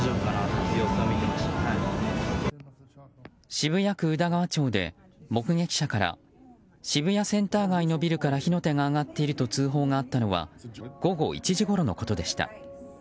渋谷区宇田川町で、目撃者から渋谷センター街のビルから火の手が上がっていると通報があったのは午後１時ごろのことでした。